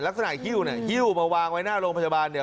ฮิ้วเนี่ยหิ้วมาวางไว้หน้าโรงพยาบาลเนี่ย